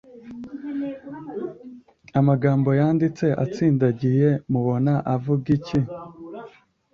amagambo yanditse atsindagiye mubona avuga iki?